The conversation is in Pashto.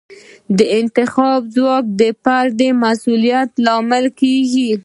د انتخاب ځواک د فرد د مسوولیت لامل کیږي.